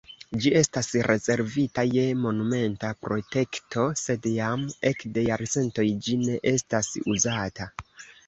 Ĝi estas rezervita je monumenta protekto, sed jam ekde jarcentoj ĝi ne estas uzata.